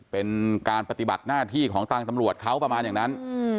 เป็นการปฏิบัติหน้าที่ของทางตำรวจเขาประมาณอย่างนั้น